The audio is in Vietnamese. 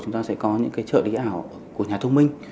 chúng ta sẽ có những cái trợ lý ảo của nhà thông minh